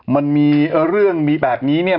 มันมีเรื่องมีแบบนี้เนี่ย